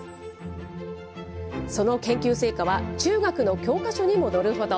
その研究成果は、中学の教科書にも載るほど。